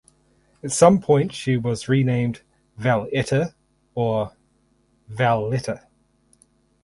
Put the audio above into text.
At some point she was renamed Valetta (or "Valletta").